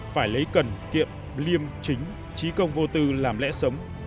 phải lấy cần kiệm liêm chính trí công vô tư làm lẽ sống